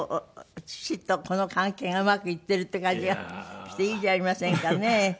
父と子の関係がうまくいってるって感じがしていいじゃありませんかね。